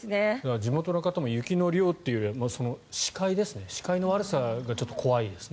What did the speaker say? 地元の方も雪の量というよりは視界の悪さが怖いですね。